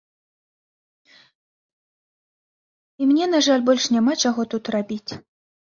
І мне, на жаль, больш няма чаго тут рабіць.